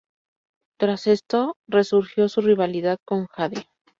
Tras esto, resurgió su rivalidad con Jade.